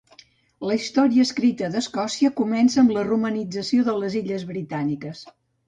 La història escrita d'Escòcia comença amb la romanització de les illes Britàniques.